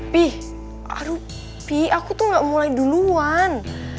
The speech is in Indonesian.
pi aduh pi aku tuh enggak mulai duluan